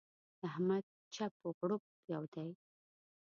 د احمد چپ و غړوپ يو دی.